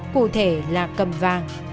cụ thể là cầm vàng